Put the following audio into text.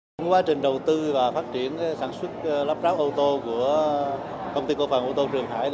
trong quá trình đầu tư và phát triển sản xuất lắp ráp ô tô của công ty cổ phần ô tô trường hải